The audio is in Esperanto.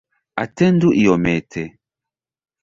Atendu iomete!